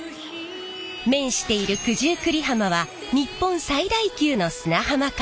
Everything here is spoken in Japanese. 面している九十九里浜は日本最大級の砂浜海岸。